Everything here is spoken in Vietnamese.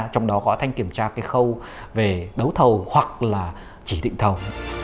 trong đó có thanh kiểm tra cái khâu về đấu thầu hoặc là chỉ định thầu